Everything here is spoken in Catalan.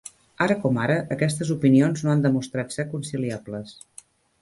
Ara com ara, aquestes opinions no han demostrat ser conciliables.